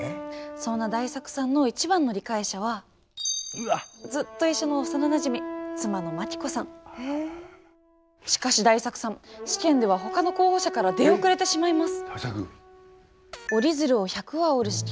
そんな大作さんの一番の理解者はずっと一緒の幼なじみしかし大作さん試験ではほかの候補者から出遅れてしまいます。